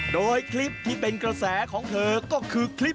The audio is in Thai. โดยคลิปที่เป็นกระแสของเธอก็คือคลิป